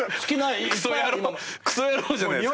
クソ野郎じゃないっすか俺。